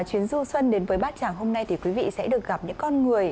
chuyến du xuân đến với bát tràng hôm nay thì quý vị sẽ được gặp những con người